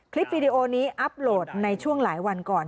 คลิปวีดีโอนี้อัพโหลดในช่วงหลายวันก่อน